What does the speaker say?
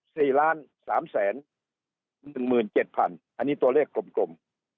สี่ล้านสามแสนหนึ่งหมื่นเจ็ดพันอันนี้ตัวเลขกลมกลม